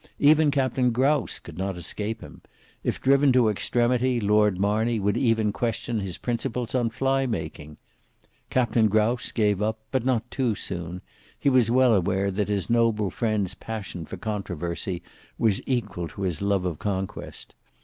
Even Captain Grouse could not escape him; if driven to extremity Lord Marney would even question his principles on fly making. Captain Grouse gave up, but not too soon; he was well aware that his noble friend's passion for controversy was equal to his love of conquest.